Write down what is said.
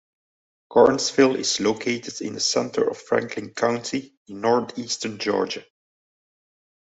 Carnesville is located in the center of Franklin County in northeastern Georgia.